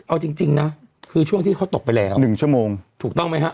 เอาจริงนะคือช่วงที่เขาตกไปแล้ว๑ชั่วโมงถูกต้องไหมฮะ